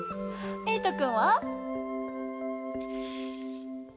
えいとくんは？